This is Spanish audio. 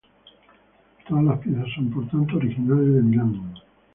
Todas las piezas son, por tanto, originales de Milán.